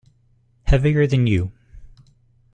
Heavier than you.